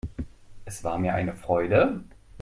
Es war mir eine Freude.